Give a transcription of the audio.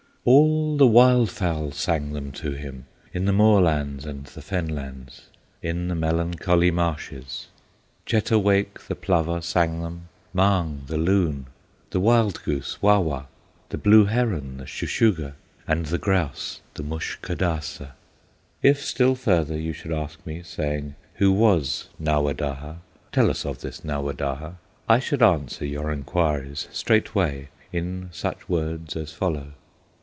"All the wild fowl sang them to him, In the moorlands and the fen lands, In the melancholy marshes; Chetowaik, the plover, sang them, Mahng, the loon, the wild goose, Wawa, The blue heron, the Shuh shuh gah, And the grouse, the Mushkodasa!" If still further you should ask me, Saying, "Who was Nawadaha? Tell us of this Nawadaha," I should answer your inquiries Straightway in such words as follow.